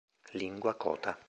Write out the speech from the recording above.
Lingua kota